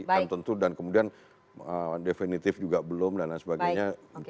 dan tentu kemudian definitif juga belum dan lain sebagainya